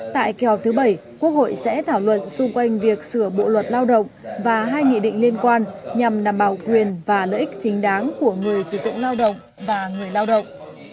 tại kỳ họp thứ bảy quốc hội sẽ thảo luận xung quanh việc sửa bộ luật lao động và hai nghị định liên quan nhằm đảm bảo quyền và lợi ích chính đáng của người sử dụng lao động và người lao động